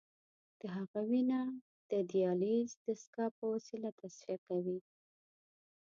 د هغه وینه د دیالیز د دستګاه په وسیله تصفیه کوي.